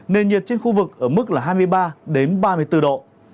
nền nhiệt trên khu vực ở mức là hai mươi ba ba mươi bốn độ